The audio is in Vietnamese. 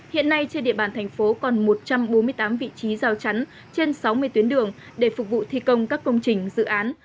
hiện nay trên địa bàn thành phố còn một trăm bốn mươi tám vị trí giao chắn trên sáu mươi tuyến đường để phục vụ thi công các công trình dự án